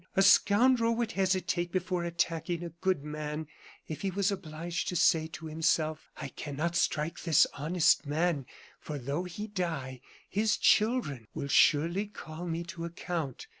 A scoundrel would hesitate before attacking a good man if he was obliged to say to himself: 'I cannot strike this honest man, for though he die, his children will surely call me to account.